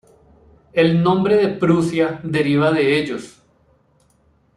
El nombre de Prusia deriva de ellos.